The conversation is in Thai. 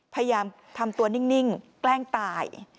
พยายามทำตัวนิ่งแกล้งตาย